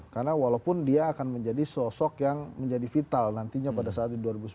karena walaupun dia akan menjadi sosok yang menjadi vital nantinya pada saat dua ribu sembilan belas